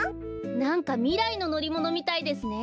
なんかみらいののりものみたいですね。